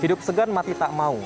hidup segan mati tak mau